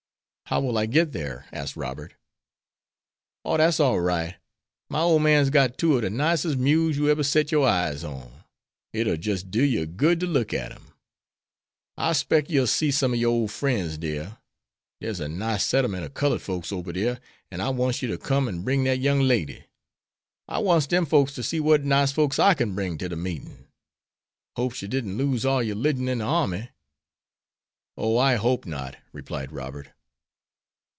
"How will I get there?" asked Robert. "Oh, dat's all right. My ole man's got two ob de nicest mules you eber set yer eyes on. It'll jis' do yer good ter look at dem. I 'spect you'll see some ob yer ole frens dere. Dere's a nice settlemen' of cullud folks ober dere, an' I wants yer to come an' bring dat young lady. I wants dem folks to see wat nice folks I kin bring to de meetin'. I hope's yer didn't lose all your 'ligion in de army." "Oh, I hope not," replied Robert.